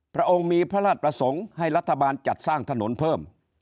พระองค์มีพระราชประสงค์ให้รัฐบาลจัดสร้างถนนเพิ่ม